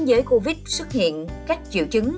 dưới covid xuất hiện các triệu chứng